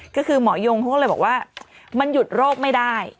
ก็คือหมอยงเขาก็เลยบอกว่ามันหยุดโรคไม่ได้